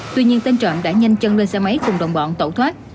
tuy nhiên tên trọn đã nhanh chân lên xe máy cùng đồng bọn tẩu thoát